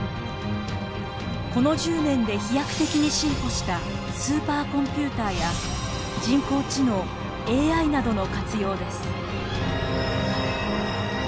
この１０年で飛躍的に進歩したスーパーコンピューターや人工知能ＡＩなどの活用です。